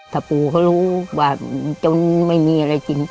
ถ้าปู่เขารู้ว่าจนไม่มีอะไรกิน